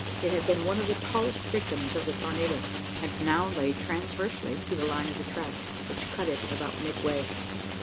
It had been one of the tallest victims of the tornado; and now lay transversely to the line of the track, which cut it about midway.